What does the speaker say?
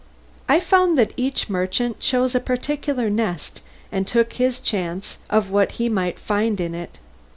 I found that each merchant chose a particular nest, and took his chance of what he might find in it.